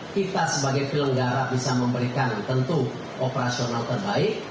kita sebagai penyelenggara bisa memberikan tentu operasional terbaik